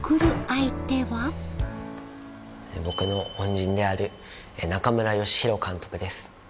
僕の恩人である中村義洋監督です。